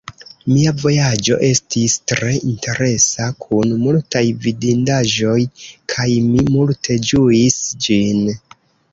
Mia vojaĝo estis tre interesa kun multaj vidindaĵoj, kaj mi multe ĝuis ĝin.